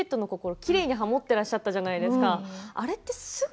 きれいにハモっていらっしゃるじゃないですか。